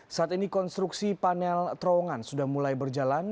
saat ini konstruksi panel terowongan sudah mulai berjalan